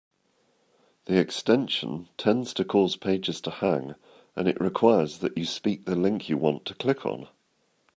The extension tends to cause pages to hang, and it requires that you speak the link you want to click on.